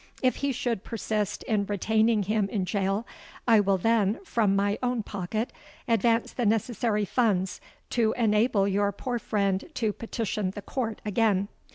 If he should persist in retaining him in gaol, I will then from my own pocket advance the necessary funds to enable your poor friend to petition the Court again.